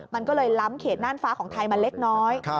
มันก็เลยล้ำเขตน่านฟ้าของไทยมาเล็กน้อย